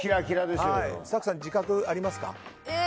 早紀さん、自覚ありますか？